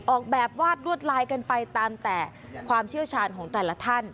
ออกแบบวาดลวดลายกันไปตามแต่ความเชี่ยวชาญของแต่ละท่าน